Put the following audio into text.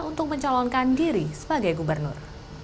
untuk mencalonkan diri sebagai gubernur